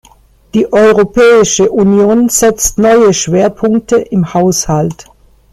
Die Europäische Union setzt neue Schwerpunkte im Haushalt.